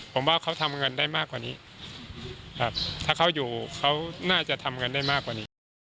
ผมว่าเขาทำเงินได้มากกว่านี้ถ้าเขาอยู่เขาน่าจะทำกันได้มากกว่านี้